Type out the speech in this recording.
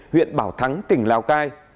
huyện bảo thắng tỉnh lào cai